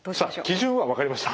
基準は分かりました。